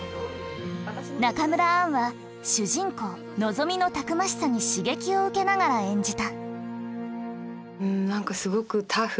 中村アンは主人公のぞみのたくましさに刺激を受けながら演じた。